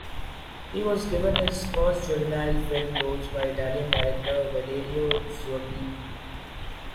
He was given his first juvenile film roles by Italian director Valerio Zurlini.